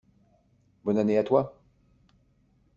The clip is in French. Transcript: Bonne année à toi.